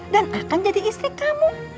dan akan jadi istri kamu